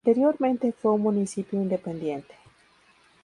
Anteriormente fue un municipio independiente.